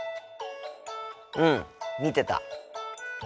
うん見てた。